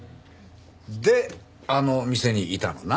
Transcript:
であの店にいたのな？